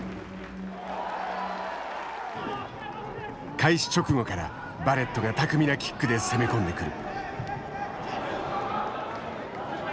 開始直後からバレットが巧みなキックで攻め込んでくる。